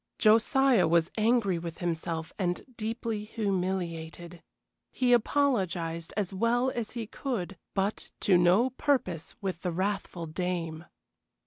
Josiah was angry with himself and deeply humiliated. He apologized as well as he could, but to no purpose with the wrathful dame.